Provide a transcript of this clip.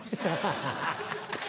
ハハハ。